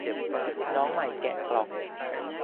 น้องใหม่แกะกล่อง